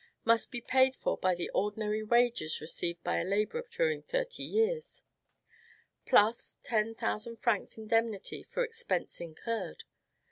must be paid for by the ordinary wages received by a laborer during thirty years, PLUS ten thousand francs indemnity for expense incurred.